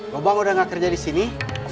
bapak udah gak kerja di sini